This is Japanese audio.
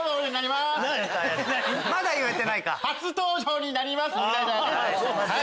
まだ言えてないか。